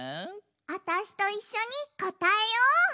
あたしといっしょにこたえよう！せの！